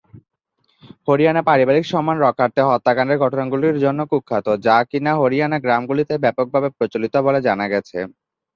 হরিয়ানা পারিবারিক সম্মান রক্ষার্থে হত্যাকাণ্ডের ঘটনাগুলির জন্য কুখ্যাত, যা কিনা হরিয়ানা গ্রামগুলিতে ব্যাপকভাবে প্রচলিত বলে জানা গেছে।